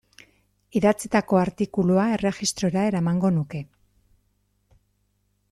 Idatzitako artikulua erregistrora eramango nuke.